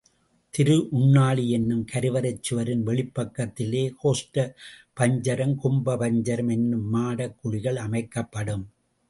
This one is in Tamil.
திருஉண்ணாழி என்னும் கருவறைச் சுவரின் வெளிப் பக்கத்திலே கோஷ்ட பஞ்சரம், கும்ப பஞ்சரம் எனும் மாடக் குழிகள் அமைக்கப்படும்.